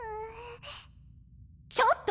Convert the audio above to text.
ちょっと！